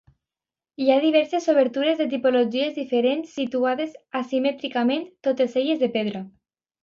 Hi ha diverses obertures de tipologies diferents situades asimètricament, totes elles de pedra.